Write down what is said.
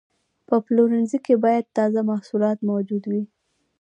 په پلورنځي کې باید تازه محصولات موجود وي.